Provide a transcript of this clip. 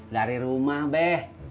dari rumah beh